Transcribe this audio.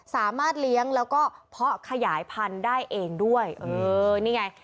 สามารถเลี้ยงแล้วก็เพาะขยายพันธุ์ได้เองด้วยเออนี่ไง